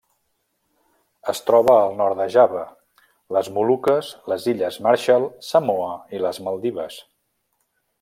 Es troba al nord de Java, les Moluques, les Illes Marshall, Samoa i les Maldives.